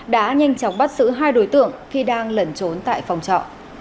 đã nhanh chóng bắt xử hai đối tượng khi đang lẩn trốn tại phòng trọ